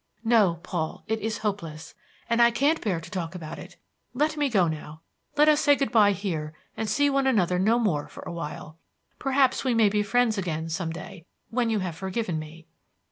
No, Paul; it is hopeless, and I can't bear to talk about it. Let me go now. Let us say good by here and see one another no more for a while. Perhaps we may be friends again some day when you have forgiven me."